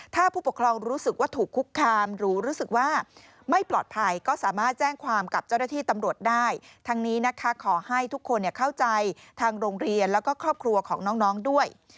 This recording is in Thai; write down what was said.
ถ้าผู้ปกครองรู้สึกว่าถูกคุกคามหรือรู้สึกว่าไม่ปลอดภัยก็สามารถแจ้งความกับเจ้าหน้าที่ตำรวจได้ทั้งนี้นะคะขอให้ทุกคนเข้าใจทางโรงเรียนแล้วก็ครอบครัวของน้องด้วย